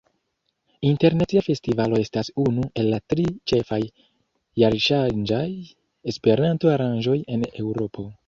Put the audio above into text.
Internacia Festivalo estas unu el la tri ĉefaj jarŝanĝaj Esperanto-aranĝoj en Eŭropo.